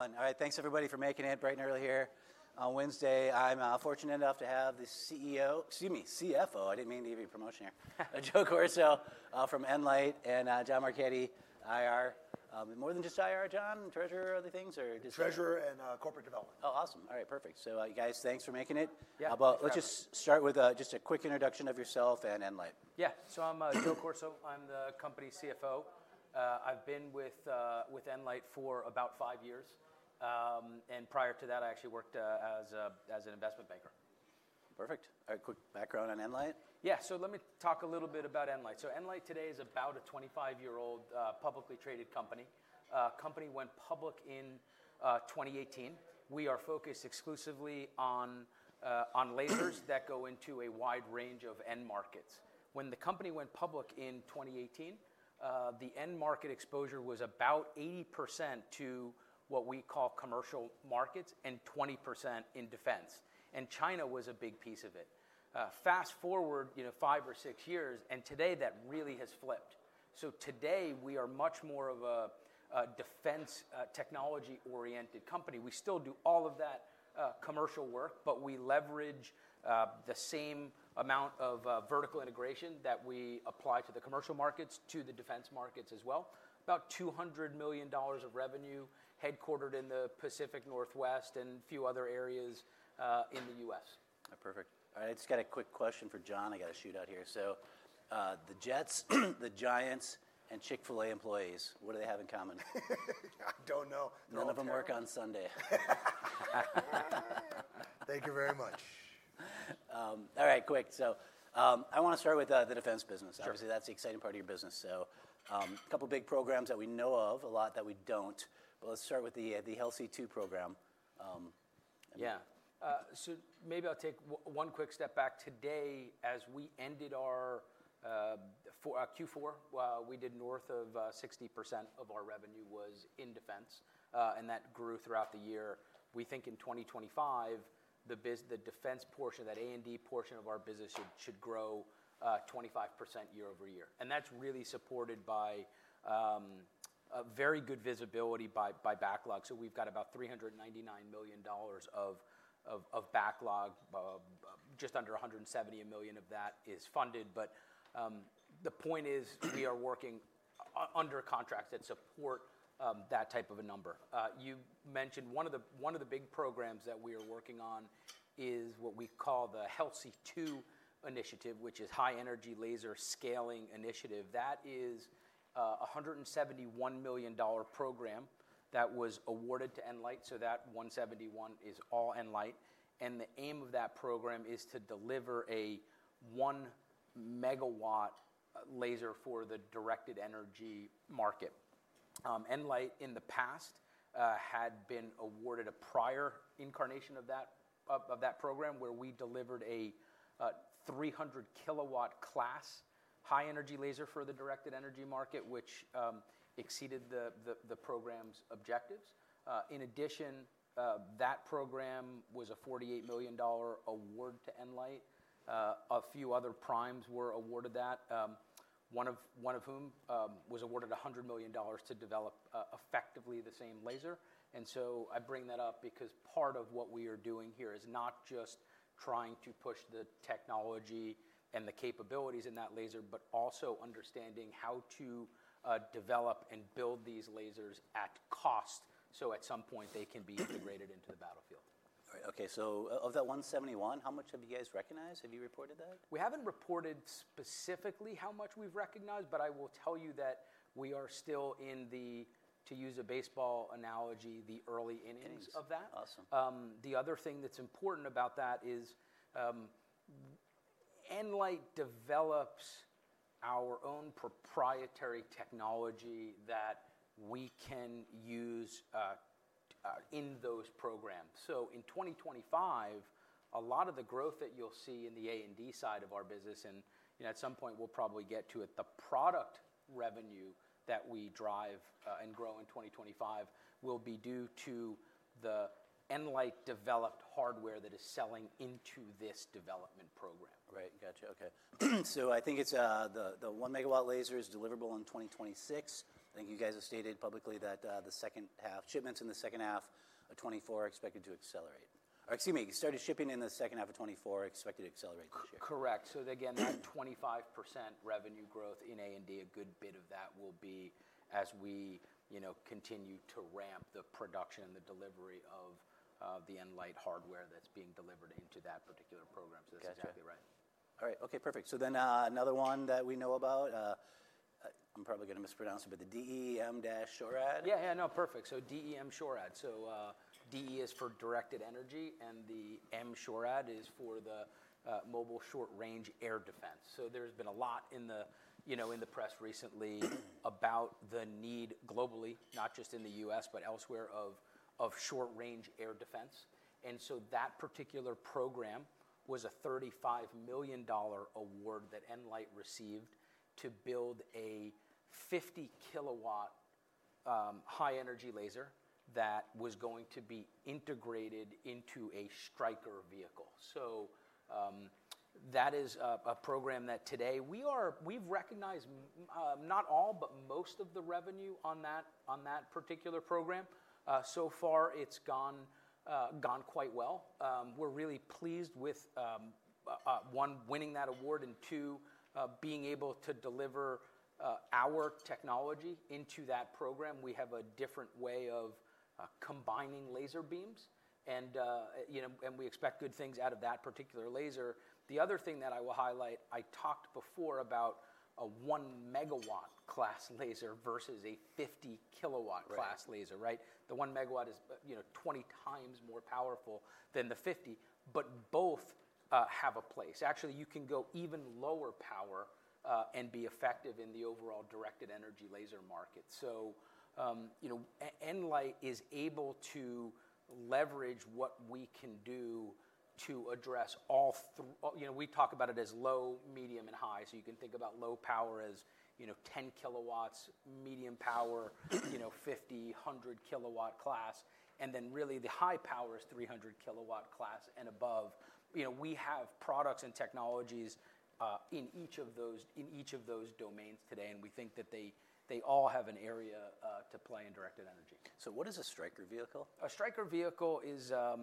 All right, thanks everybody for making it. Bright and early here. On Wednesday, I'm fortunate enough to have the CEO—excuse me, CFO. I didn't mean to give you a promotion here. Joe Corso, from nLIGHT, and John Marchetti, IR. More than just IR, John? Treasurer or other things, or just? Treasurer and Corporate Development. Oh, awesome. All right, perfect. You guys, thanks for making it. Yeah. Let's just start with a quick introduction of yourself and nLIGHT. Yeah, so I'm Joe Corso. I'm the company CFO. I've been with nLIGHT for about five years. Prior to that, I actually worked as an investment banker. Perfect. All right, quick background on nLIGHT. Yeah, so let me talk a little bit about nLIGHT. nLIGHT today is about a 25-year-old publicly traded company. The company went public in 2018. We are focused exclusively on lasers that go into a wide range of end markets. When the company went public in 2018, the end market exposure was about 80% to what we call commercial markets and 20% in defense. China was a big piece of it. Fast forward five or six years, and today that really has flipped. Today we are much more of a defense technology-oriented company. We still do all of that commercial work, but we leverage the same amount of vertical integration that we apply to the commercial markets, to the defense markets as well. About $200 million of revenue headquartered in the Pacific Northwest and a few other areas in the U.S. Perfect. All right, I just got a quick question for John. I got a shootout here. So the Jets, the Giants, and Chick-fil-A employees, what do they have in common? I don't know. None of them work on Sunday. Thank you very much. All right, quick. I want to start with the defense business. Obviously, that's the exciting part of your business. A couple of big programs that we know of, a lot that we don't. I want to start with the HELSI-2 program. Yeah. Maybe I'll take one quick step back. Today, as we ended our Q4, we did north of 60% of our revenue was in defense. That grew throughout the year. We think in 2025, the defense portion, that A&D portion of our business, should grow 25% year over year. That is really supported by very good visibility by backlog. We've got about $399 million of backlog. Just under $170 million of that is funded. The point is we are working under contracts that support that type of a number. You mentioned one of the big programs that we are working on is what we call the HELSI-2 initiative, which is High Energy Laser Scaling Initiative. That is a $171 million program that was awarded to nLIGHT. That $171 million is all nLIGHT. The aim of that program is to deliver a one-megawatt laser for the directed energy market. nLIGHT in the past had been awarded a prior incarnation of that program where we delivered a 300 kW class high-energy laser for the directed energy market, which exceeded the program's objectives. In addition, that program was a $48 million award to nLIGHT. A few other primes were awarded that, one of whom was awarded $100 million to develop effectively the same laser. I bring that up because part of what we are doing here is not just trying to push the technology and the capabilities in that laser, but also understanding how to develop and build these lasers at cost so at some point they can be integrated into the battlefield. All right, okay. Of that $171 million, how much have you guys recognized? Have you reported that? We haven't reported specifically how much we've recognized, but I will tell you that we are still in the, to use a baseball analogy, the early innings of that. Awesome. The other thing that's important about that is nLIGHT develops our own proprietary technology that we can use in those programs. In 2025, a lot of the growth that you'll see in the A&D side of our business, and at some point we'll probably get to it, the product revenue that we drive and grow in 2025 will be due to the nLIGHT-developed hardware that is selling into this development program. Right, got it. Okay. I think the 1 MW laser is deliverable in 2026. I think you guys have stated publicly that the second half, shipments in the second half of 2024 are expected to accelerate. Or excuse me, started shipping in the second half of 2024, expected to accelerate in the second half. Correct. That 25% revenue growth in A&D, a good bit of that will be as we continue to ramp the production and the delivery of the nLIGHT hardware that's being delivered into that particular program. That's exactly right. All right, okay, perfect. Another one that we know about, I'm probably going to mispronounce it, but the DE M-SHORAD. Yeah, yeah, no, perfect. DE M-SHORAD. DE is for directed energy, and the M-SHORAD is for the mobile short-range air defense. There's been a lot in the press recently about the need globally, not just in the U.S., but elsewhere, of short-range air defense. That particular program was a $35 million award that nLIGHT received to build a 50 kW high-energy laser that was going to be integrated into a Stryker vehicle. That is a program that today we've recognized not all, but most of the revenue on that particular program. So far, it's gone quite well. We're really pleased with, one, winning that award, and two, being able to deliver our technology into that program. We have a different way of combining laser beams, and we expect good things out of that particular laser. The other thing that I will highlight, I talked before about a one-megawatt class laser versus a 50 kW class laser, right? The 1 MW is 20x more powerful than the 50, but both have a place. Actually, you can go even lower power and be effective in the overall directed energy laser market. nLIGHT is able to leverage what we can do to address all three; we talk about it as low, medium, and high. You can think about low power as 10 kW, medium power, 50 kW, 100 kW class, and then really the high power is 300 kW class and above. We have products and technologies in each of those domains today, and we think that they all have an area to play in directed energy. What is a Stryker vehicle? A Stryker vehicle is a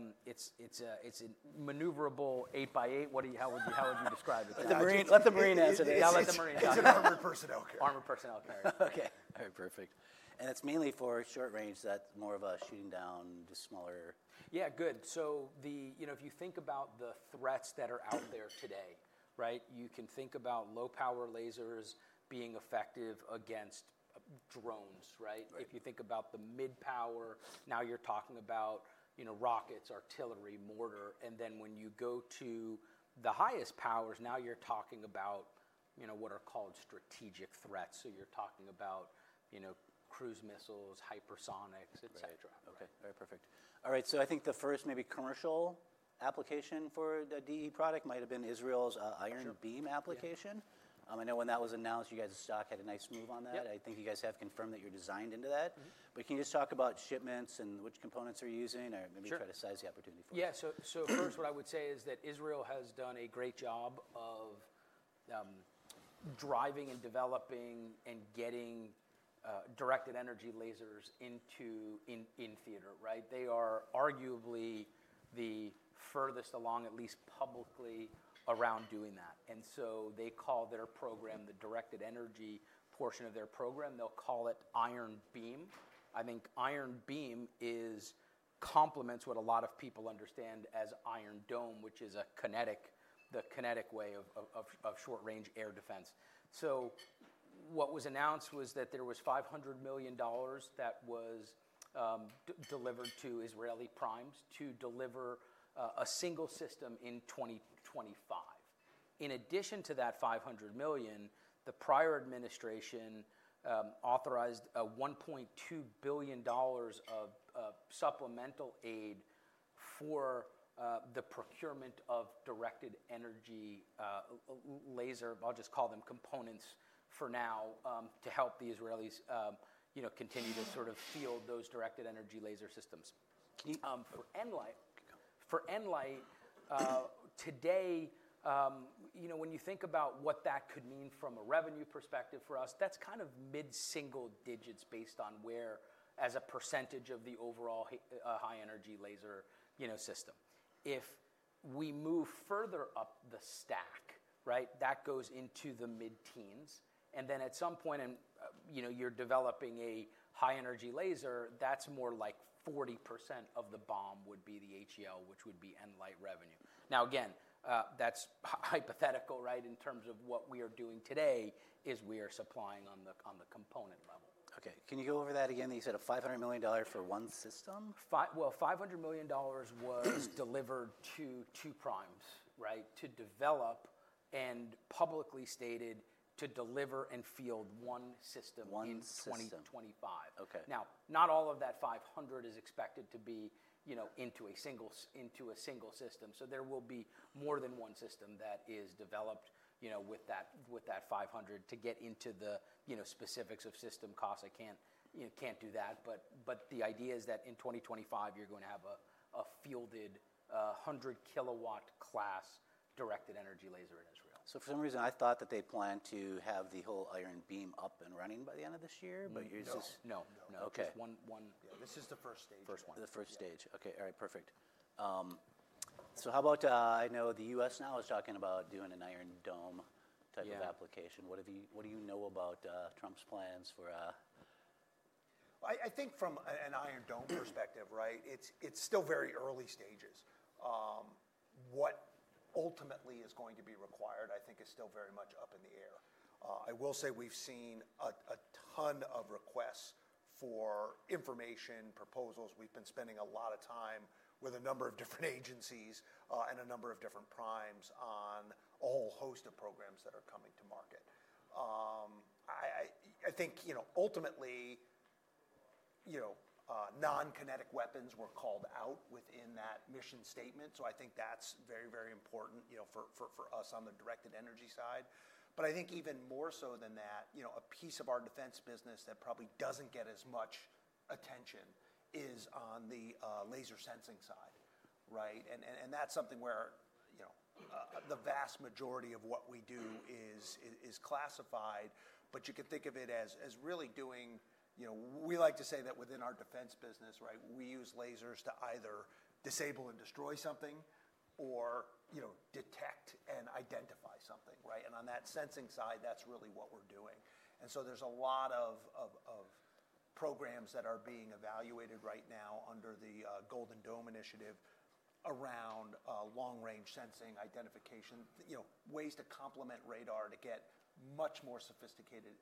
maneuverable eight by eight. How would you describe it? Let the Marine answer this. Yeah, let the Marine answer. He's an armored personnel carrier. Armored personnel carrier. Okay. All right, perfect. It's mainly for short range. That's more of a shooting down, just smaller. Yeah, good. If you think about the threats that are out there today, right, you can think about low-power lasers being effective against drones, right? If you think about the mid-power, now you're talking about rockets, artillery, mortar. When you go to the highest powers, now you're talking about what are called strategic threats. You're talking about cruise missiles, hypersonics, et cetera. Okay. All right, perfect. All right, I think the first maybe commercial application for the DE product might have been Israel's Iron Beam application. I know when that was announced, you guys' stock had a nice move on that. I think you guys have confirmed that you're designed into that. Can you just talk about shipments and which components are you using? Or maybe try to size the opportunity for us. Yeah, first what I would say is that Israel has done a great job of driving and developing and getting directed energy lasers into theater, right? They are arguably the furthest along, at least publicly, around doing that. They call their program, the directed energy portion of their program, Iron Beam. I think Iron Beam complements what a lot of people understand as Iron Dome, which is the kinetic way of short-range air defense. What was announced was that there was $500 million that was delivered to Israeli primes to deliver a single system in 2025. In addition to that $500 million, the prior administration authorized $1.2 billion of supplemental aid for the procurement of directed energy laser, I'll just call them components for now, to help the Israelis continue to sort of field those directed energy laser systems. For nLIGHT, today, when you think about what that could mean from a revenue perspective for us, that's kind of mid-single digits based on where as a percentage of the overall high-energy laser system. If we move further up the stack, right, that goes into the mid-teens. At some point, and you're developing a high-energy laser, that's more like 40% of the BOM would be the HEL, which would be nLIGHT revenue. Now, again, that's hypothetical, right? In terms of what we are doing today is we are supplying on the component level. Okay. Can you go over that again? You said $500 million for one system? $500 million was delivered to two primes, right, to develop and publicly stated to deliver and field one system in 2025. One system. Okay. Now, not all of that $500 million is expected to be into a single system. There will be more than one system that is developed with that $500 million. To get into the specifics of system costs, I can't do that. The idea is that in 2025, you're going to have a fielded 100 kW class directed energy laser in Israel. For some reason, I thought that they planned to have the whole Iron Beam up and running by the end of this year, but you're just. No, no. Okay. This is the first stage. First one. The first stage. Okay. All right, perfect. How about I know the U.S. now is talking about doing an Iron Dome type of application. What do you know about Trump's plans for? I think from an Iron Dome perspective, right, it's still very early stages. What ultimately is going to be required, I think, is still very much up in the air. I will say we've seen a ton of requests for information, proposals. We've been spending a lot of time with a number of different agencies and a number of different primes on a whole host of programs that are coming to market. I think ultimately, non-kinetic weapons were called out within that mission statement. I think that's very, very important for us on the directed energy side. I think even more so than that, a piece of our defense business that probably doesn't get as much attention is on the laser sensing side, right? The vast majority of what we do is classified, but you can think of it as really doing, we like to say that within our defense business, we use lasers to either disable and destroy something or detect and identify something, right? On that sensing side, that's really what we're doing. There are a lot of programs that are being evaluated right now under the Golden Dome Initiative around long-range sensing, identification, ways to complement radar to get much more sophisticated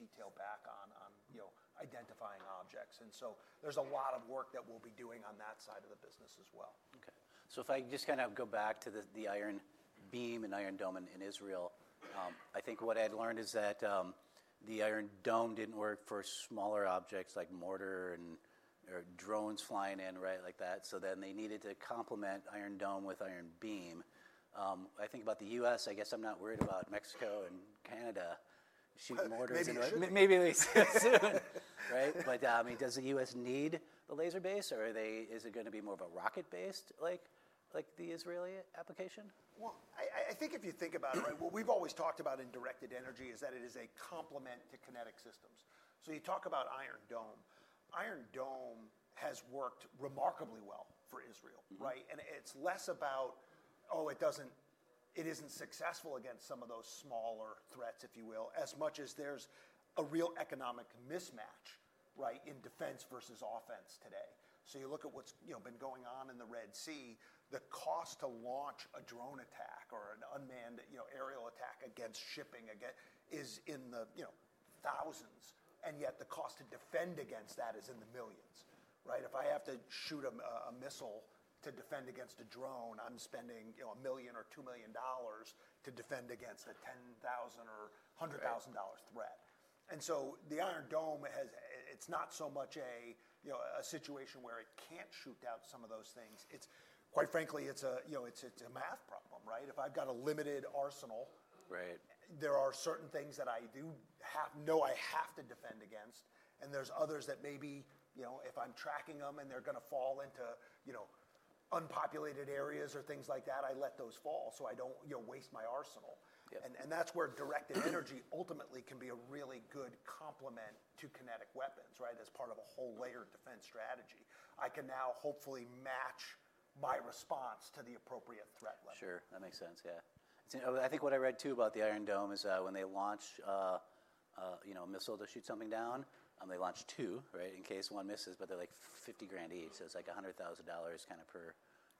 detail back on identifying objects. There is a lot of work that we'll be doing on that side of the business as well. Okay. If I just kind of go back to the Iron Beam and Iron Dome in Israel, I think what I learned is that the Iron Dome did not work for smaller objects like mortar and drones flying in, right, like that. They needed to complement Iron Dome with Iron Beam. I think about the U.S., I guess I am not worried about Mexico and Canada shooting mortars and other stuff. Maybe at least soon. Right? I mean, does the U.S. need the laser base or is it going to be more of a rocket-based like the Israeli application? I think if you think about it, right, what we've always talked about in directed energy is that it is a complement to kinetic systems. You talk about Iron Dome. Iron Dome has worked remarkably well for Israel, right? It's less about, oh, it isn't successful against some of those smaller threats, if you will, as much as there's a real economic mismatch, right, in defense versus offense today. You look at what's been going on in the Red Sea, the cost to launch a drone attack or an unmanned aerial attack against shipping is in the thousands, and yet the cost to defend against that is in the millions, right? If I have to shoot a missile to defend against a drone, I'm spending $1 million or $2 million to defend against a $10,000 or $100,000 threat. The Iron Dome, it's not so much a situation where it can't shoot out some of those things. Quite frankly, it's a math problem, right? If I've got a limited arsenal, there are certain things that I do know I have to defend against, and there's others that maybe if I'm tracking them and they're going to fall into unpopulated areas or things like that, I let those fall so I don't waste my arsenal. That's where directed energy ultimately can be a really good complement to kinetic weapons, right, as part of a whole layered defense strategy. I can now hopefully match my response to the appropriate threat level. Sure. That makes sense. Yeah. I think what I read too about the Iron Dome is when they launch a missile to shoot something down, they launch two, right, in case one misses, but they're like $50,000 each. So it's like $100,000 kind of per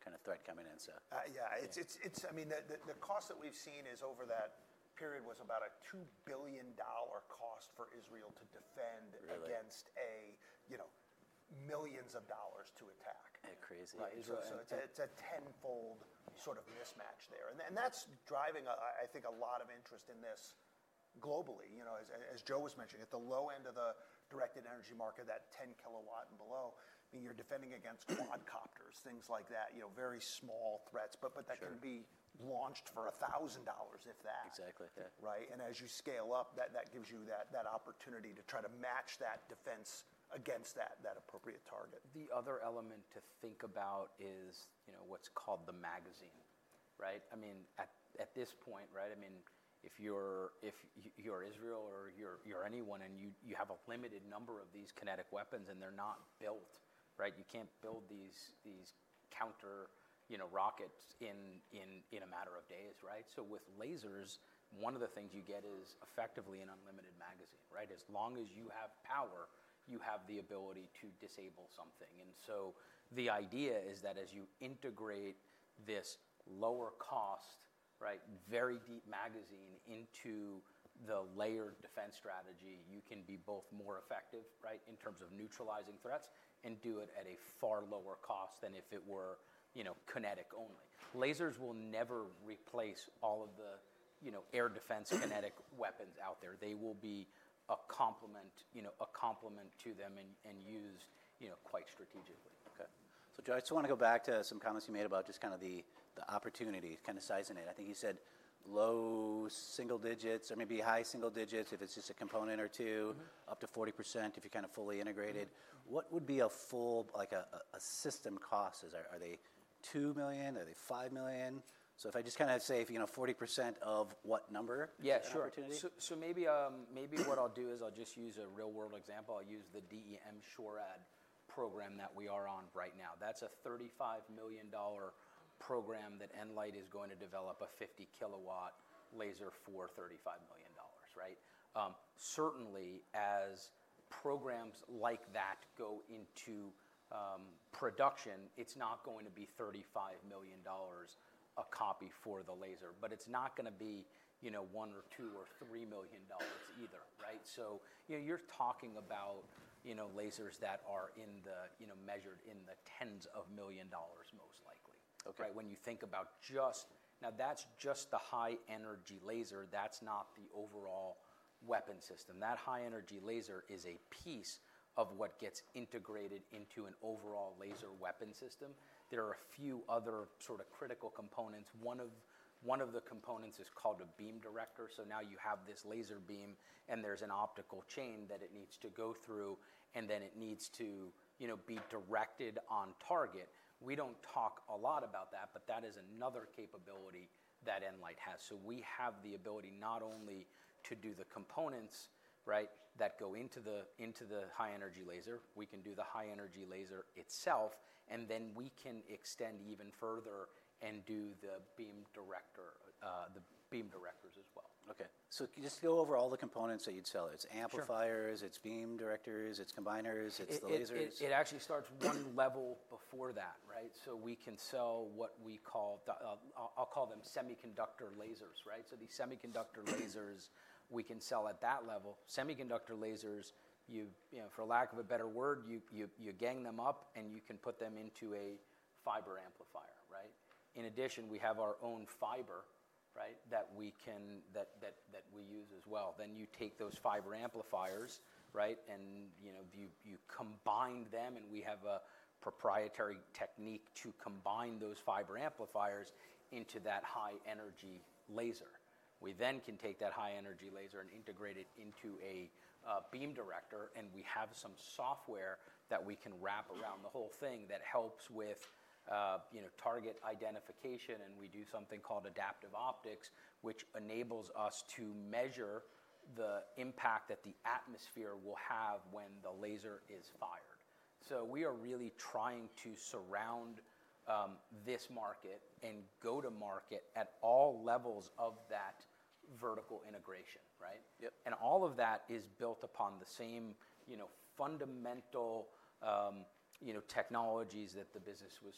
kind of threat coming in, so. Yeah. I mean, the cost that we've seen is over that period was about a $2 billion cost for Israel to defend against millions of dollars to attack. Crazy. It's a tenfold sort of mismatch there. That's driving, I think, a lot of interest in this globally. As Joe was mentioning, at the low end of the directed energy market, that 10 kW and below, I mean, you're defending against quadcopters, things like that, very small threats, but that can be launched for $1,000 if that. Exactly. Right? As you scale up, that gives you that opportunity to try to match that defense against that appropriate target. The other element to think about is what's called the magazine, right? I mean, at this point, right, I mean, if you're Israel or you're anyone and you have a limited number of these kinetic weapons and they're not built, right, you can't build these counter rockets in a matter of days, right? With lasers, one of the things you get is effectively an unlimited magazine, right? As long as you have power, you have the ability to disable something. The idea is that as you integrate this lower cost, right, very deep magazine into the layered defense strategy, you can be both more effective, right, in terms of neutralizing threats and do it at a far lower cost than if it were kinetic only. Lasers will never replace all of the air defense kinetic weapons out there. They will be a complement to them and used quite strategically. Okay. I just want to go back to some comments you made about just kind of the opportunity, kind of sizing it. I think you said low-single-digits or maybe high-single-digits if it's just a component or two, up to 40% if you're kind of fully integrated. What would be a full, like a system cost? Are they $2 million? Are they $5 million? If I just kind of say 40% of what number? Yeah, sure. Maybe what I'll do is I'll just use a real-world example. I'll use the DE M-SHORAD program that we are on right now. That's a $35 million program that nLIGHT is going to develop a 50 kW laser for $35 million, right? Certainly, as programs like that go into production, it's not going to be $35 million a copy for the laser, but it's not going to be one or two or three million dollars either, right? You're talking about lasers that are measured in the tens of million dollars most likely, right? When you think about just now, that's just the high-energy laser. That's not the overall weapon system. That high-energy laser is a piece of what gets integrated into an overall laser weapon system. There are a few other sort of critical components. One of the components is called a beam director. Now you have this laser beam and there's an optical chain that it needs to go through and then it needs to be directed on target. We don't talk a lot about that, but that is another capability that nLIGHT has. We have the ability not only to do the components, right, that go into the high-energy laser, we can do the high-energy laser itself, and then we can extend even further and do the beam directors as well. Okay. Just go over all the components that you'd sell. It's amplifiers, it's beam directors, it's combiners, it's the lasers. It actually starts one level before that, right? We can sell what we call, I'll call them semiconductor lasers, right? These semiconductor lasers, for lack of a better word, you gang them up and you can put them into a fiber amplifier, right? In addition, we have our own fiber, right, that we use as well. You take those fiber amplifiers, right, and you combine them, and we have a proprietary technique to combine those fiber amplifiers into that high-energy laser. We then can take that high-energy laser and integrate it into a beam director, and we have some software that we can wrap around the whole thing that helps with target identification, and we do something called adaptive optics, which enables us to measure the impact that the atmosphere will have when the laser is fired. We are really trying to surround this market and go to market at all levels of that vertical integration, right? All of that is built upon the same fundamental technologies that the business was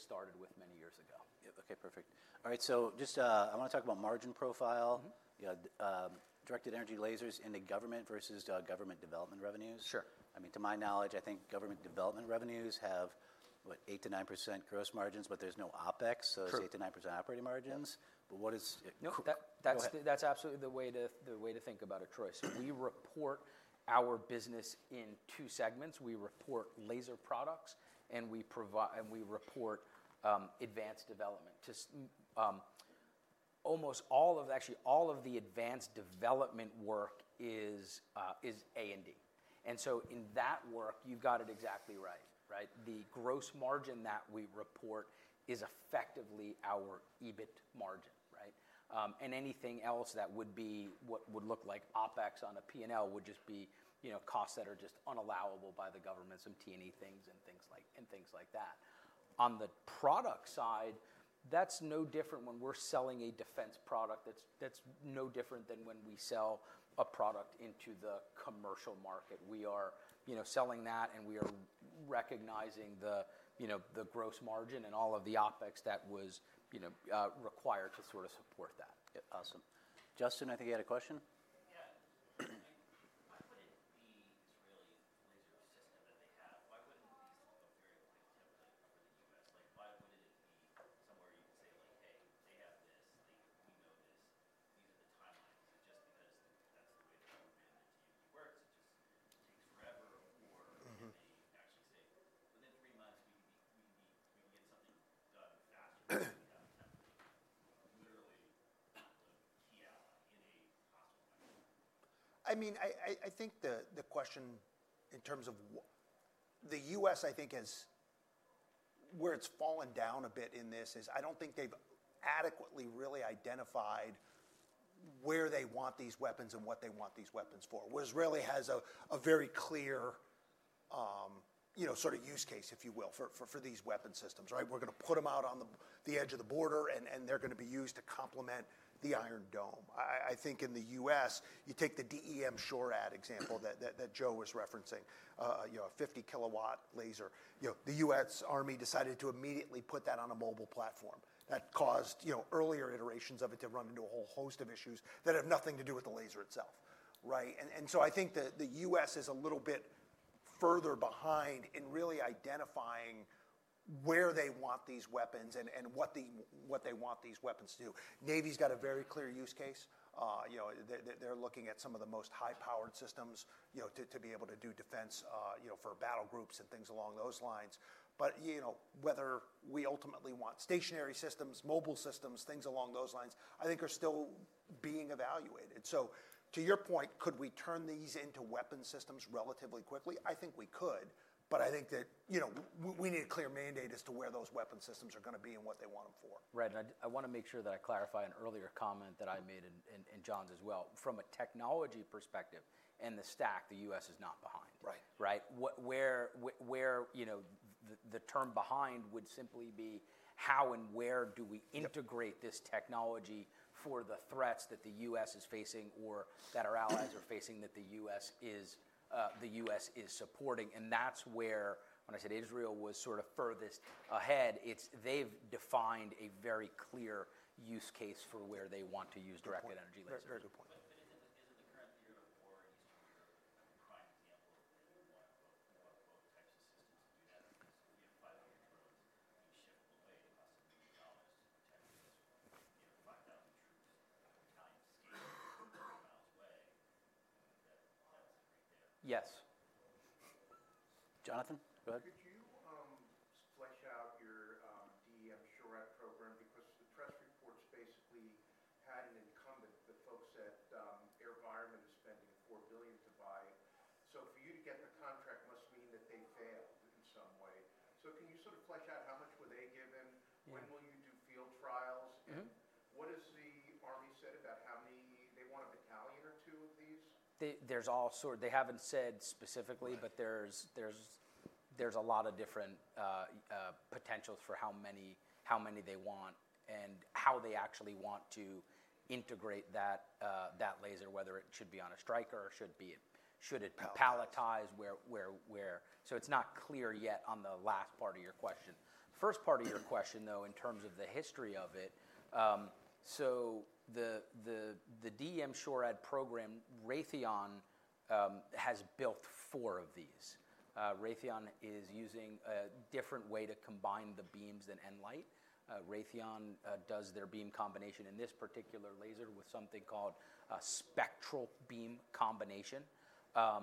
started with many years ago. Okay. Perfect. All right. I want to talk about margin profile. Directed energy lasers in the government versus government development revenues. Sure. I mean, to my knowledge, I think government development revenues have what, 8%-9% gross margins, but there's no OpEx, so it's 8%-9% operating margins. But what is? That's absolutely the way to think about it, Troy. We report our business in two segments. We report laser products and we report advanced development. Almost all of, actually all of the advanced development work is A&D. In that work, you've got it exactly right, right? The gross margin that we report is effectively our EBIT margin, right? Anything else that would be what would look like OpEx on a P&L would just be costs that are just unallowable by the government, some T&E things and things like that. On the product side, that's no different when we're selling a defense product. That's no different than when we sell a product into the commercial market. We are selling that and we are recognizing the gross margin and all of the OpEx that was required to sort of support that. Awesome. Justin, I think you had a question. the Iron Dome. I think in the U.S., you take the DE M-SHORAD example that Joe was referencing, a 50 kW laser. The U.S. Army decided to immediately put that on a mobile platform. That caused earlier iterations of it to run into a whole host of issues that have nothing to do with the laser itself, right? I think the U.S. is a little bit further behind in really identifying where they want these weapons and what they want these weapons to do. Navy's got a very clear use case. They're looking at some of the most high-powered systems to be able to do defense for battle groups and things along those lines. Whether we ultimately want stationary systems, mobile systems, things along those lines, I think are still being evaluated. To your point, could we turn these into weapon systems relatively quickly? I think we could, but I think that we need a clear mandate as to where those weapon systems are going to be and what they want them for. Right. I want to make sure that I clarify an earlier comment that I made in John's as well. From a technology perspective and the stack, the U.S. is not behind, right? Where the term behind would simply be how and where do we integrate this technology for the threats that the U.S. is facing or that our allies are facing that the U.S. is supporting. That is where, when I said Israel was sort of furthest ahead, it is they have defined a very clear use case for where they want to use directed energy lasers. Very good point. Could you flesh out your DE M-SHORAD program? Because the press reports basically had an incumbent, the folks at AeroVironment are spending $4 billion to buy it. For you to get the contract must mean that they failed in some way. Can you sort of flesh out how much were they given? When will you do field trials? What has the Army said about how many? They want a battalion or two of these? There's all sorts. They haven't said specifically, but there's a lot of different potentials for how many they want and how they actually want to integrate that laser, whether it should be on a Stryker or should it palletize where. It is not clear yet on the last part of your question. First part of your question though, in terms of the history of it, the DE M-SHORAD program, Raytheon has built four of these. Raytheon is using a different way to combine the beams than nLIGHT. Raytheon does their beam combination in this particular laser with something called a spectral beam combination. I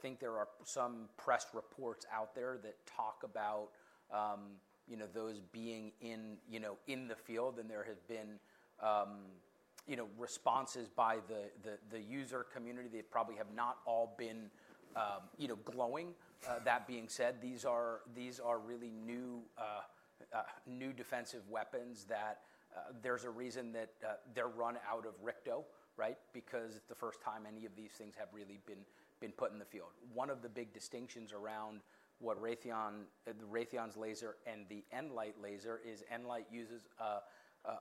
think there are some press reports out there that talk about those being in the field, and there have been responses by the user community. They probably have not all been glowing. That being said, these are really new defensive weapons that there's a reason that they're run out of RCCTO, right? Because it's the first time any of these things have really been put in the field. One of the big distinctions around what Raytheon's laser and the nLIGHT laser is nLIGHT uses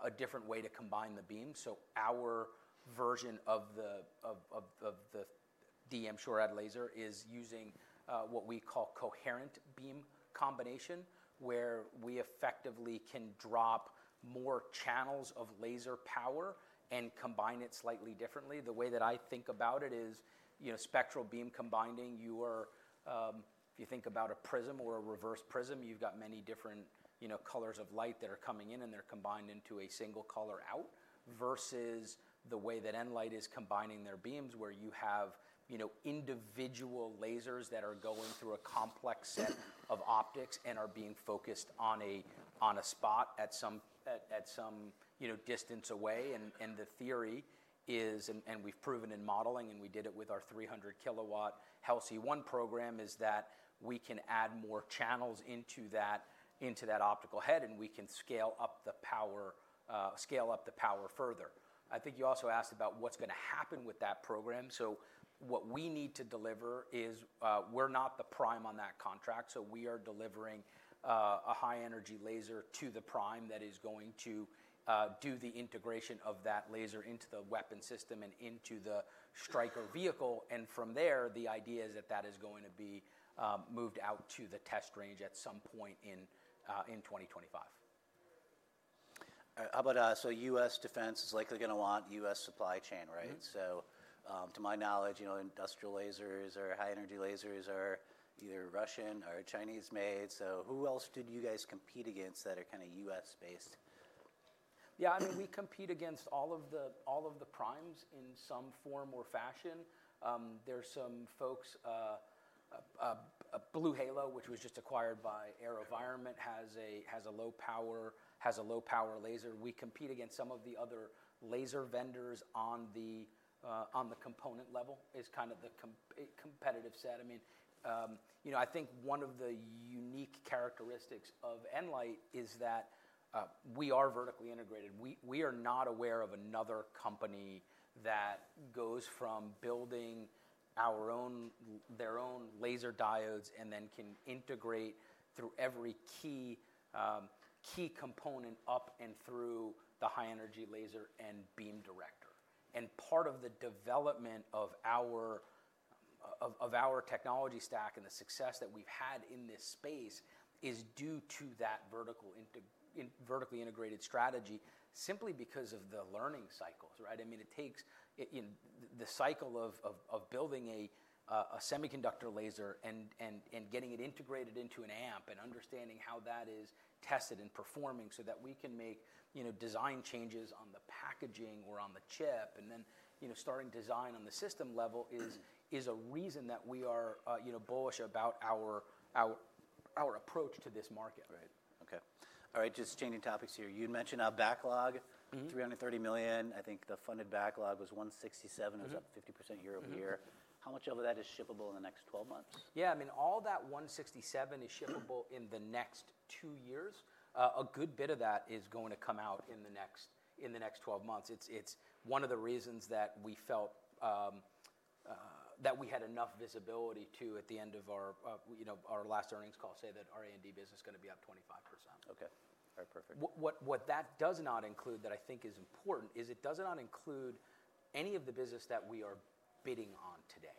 a different way to combine the beams. Our version of the DE M-SHORAD laser is using what we call coherent beam combination, where we effectively can drop more channels of laser power and combine it slightly differently. The way that I think about it is spectral beam combining, if you think about a prism or a reverse prism, you've got many different colors of light that are coming in and they're combined into a single color out versus the way that nLIGHT is combining their beams, where you have individual lasers that are going through a complex set of optics and are being focused on a spot at some distance away. The theory is, and we've proven in modeling and we did it with our 300 kW HELSI-1 program, is that we can add more channels into that optical head and we can scale up the power further. I think you also asked about what's going to happen with that program. What we need to deliver is we're not the prime on that contract. We are delivering a high-energy laser to the prime that is going to do the integration of that laser into the weapon system and into the Stryker vehicle. From there, the idea is that that is going to be moved out to the test range at some point in 2025. How about, U.S. defense is likely going to want U.S. supply chain, right? To my knowledge, industrial lasers or high-energy lasers are either Russian or Chinese-made. Who else did you guys compete against that are kind of U.S.-based? Yeah, I mean, we compete against all of the primes in some form or fashion. There's some folks, BlueHalo, which was just acquired by AeroVironment, has a low-power laser. We compete against some of the other laser vendors on the component level is kind of the competitive set. I mean, I think one of the unique characteristics of nLIGHT is that we are vertically integrated. We are not aware of another company that goes from building their own laser diodes and then can integrate through every key component up and through the high-energy laser and beam director. Part of the development of our technology stack and the success that we've had in this space is due to that vertically integrated strategy simply because of the learning cycles, right? I mean, it takes the cycle of building a semiconductor laser and getting it integrated into an amp and understanding how that is tested and performing so that we can make design changes on the packaging or on the chip. Then starting design on the system level is a reason that we are bullish about our approach to this market. Right. Okay. All right. Just changing topics here. You'd mentioned a backlog, $330 million. I think the funded backlog was $167 million, it was up 50% year over year. How much of that is shippable in the next 12 months? Yeah. I mean, all that 167 is shippable in the next two years. A good bit of that is going to come out in the next 12 months. It's one of the reasons that we felt that we had enough visibility to, at the end of our last earnings call, say that our A&D business is going to be up 25%. Okay. All right. Perfect. What that does not include that I think is important is it does not include any of the business that we are bidding on today.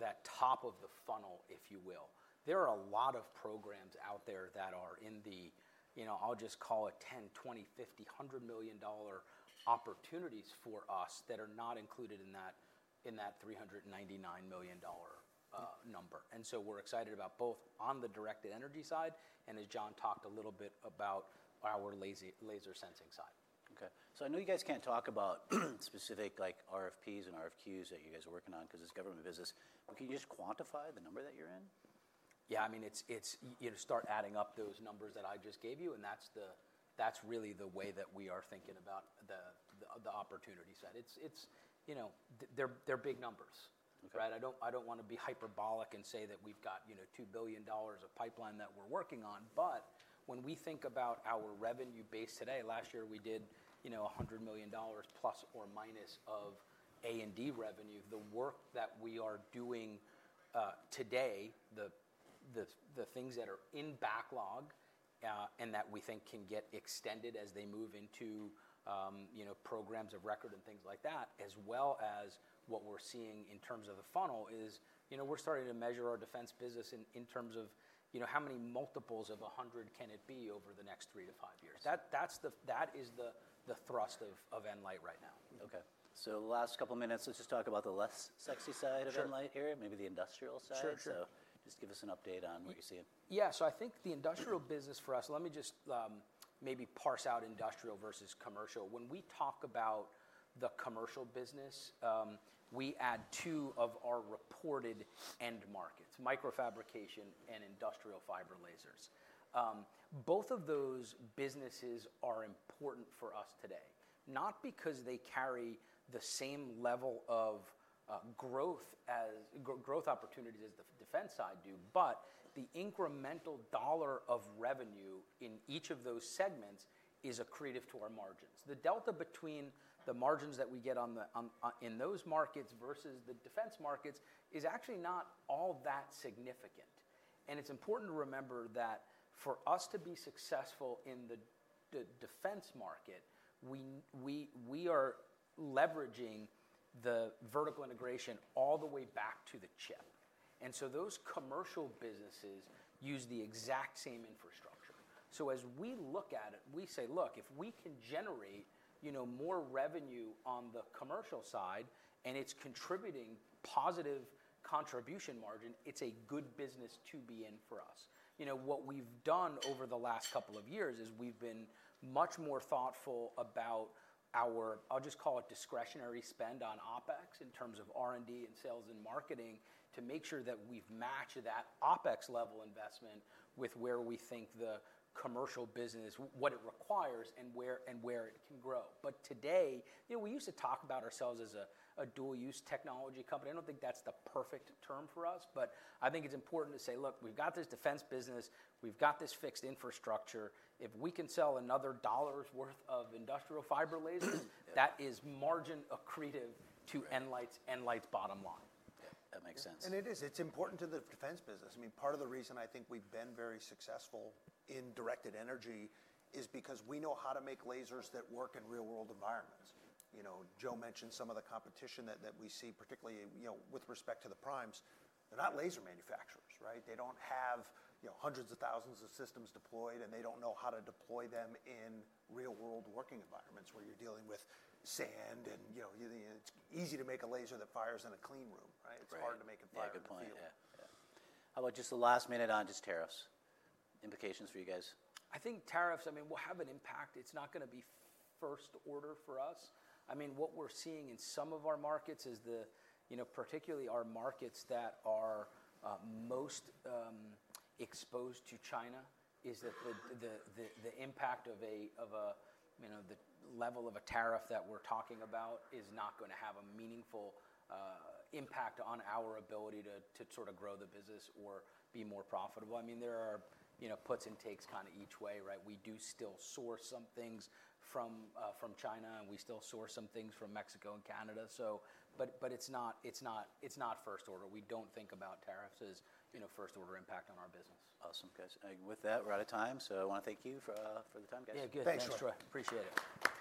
That top of the funnel, if you will. There are a lot of programs out there that are in the, I'll just call it $10 million, $20 million, $50 million, $100 million opportunities for us that are not included in that $399 million number. We are excited about both on the directed energy side and as John talked a little bit about our laser sensing side. Okay. I know you guys can't talk about specific RFPs and RFQs that you guys are working on because it's government business, but can you just quantify the number that you're in? Yeah. I mean, it's start adding up those numbers that I just gave you and that's really the way that we are thinking about the opportunity set. They're big numbers, right? I don't want to be hyperbolic and say that we've got $2 billion of pipeline that we're working on, but when we think about our revenue base today, last year we did $100 million plus or minus of A&D revenue. The work that we are doing today, the things that are in backlog and that we think can get extended as they move into programs of record and things like that, as well as what we're seeing in terms of the funnel is we're starting to measure our defense business in terms of how many multiples of 100 can it be over the next three to five years. That is the thrust of nLIGHT right now. Okay. Last couple of minutes, let's just talk about the less sexy side of nLIGHT here, maybe the industrial side. Just give us an update on what you're seeing. Yeah. I think the industrial business for us, let me just maybe parse out industrial versus commercial. When we talk about the commercial business, we add two of our reported end markets, microfabrication and industrial fiber lasers. Both of those businesses are important for us today, not because they carry the same level of growth opportunities as the defense side do, but the incremental dollar of revenue in each of those segments is accretive to our margins. The delta between the margins that we get in those markets versus the defense markets is actually not all that significant. It is important to remember that for us to be successful in the defense market, we are leveraging the vertical integration all the way back to the chip. Those commercial businesses use the exact same infrastructure. As we look at it, we say, "Look, if we can generate more revenue on the commercial side and it's contributing positive contribution margin, it's a good business to be in for us." What we've done over the last couple of years is we've been much more thoughtful about our, I'll just call it discretionary spend on OpEx in terms of R&D and sales and marketing to make sure that we've matched that OpEx level investment with where we think the commercial business, what it requires and where it can grow. Today, we used to talk about ourselves as a dual-use technology company. I don't think that's the perfect term for us, but I think it's important to say, "Look, we've got this defense business, we've got this fixed infrastructure. If we can sell another dollar's worth of industrial fiber lasers, that is margin accretive to nLIGHT's bottom line. That makes sense. It's important to the defense business. I mean, part of the reason I think we've been very successful in directed energy is because we know how to make lasers that work in real-world environments. Joe mentioned some of the competition that we see, particularly with respect to the primes. They're not laser manufacturers, right? They don't have hundreds of thousands of systems deployed and they don't know how to deploy them in real-world working environments where you're dealing with sand and it's easy to make a laser that fires in a clean room, right? It's hard to make a fire. Yeah. Good point. Yeah. How about just the last minute on just tariffs? Implications for you guys? I think tariffs, I mean, will have an impact. It's not going to be first order for us. I mean, what we're seeing in some of our markets is the, particularly our markets that are most exposed to China is that the impact of the level of a tariff that we're talking about is not going to have a meaningful impact on our ability to sort of grow the business or be more profitable. I mean, there are puts and takes kind of each way, right? We do still source some things from China and we still source some things from Mexico and Canada. But it's not first order. We don't think about tariffs as first order impact on our business. Awesome, guys. With that, we're out of time. I want to thank you for the time, guys. Yeah. Good. Thanks, Joe. Appreciate it.